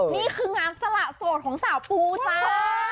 นี่คืองานสละโสดของสาวปูจ้า